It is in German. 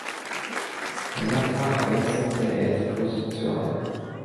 Mehrfach wechselte er die Position.